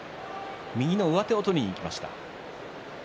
右の上手を取りにいきました。